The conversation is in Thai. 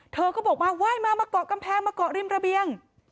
เธอก็บอกว่าไหว้มามาเกาะกำแพงมาเกาะริมระเบียง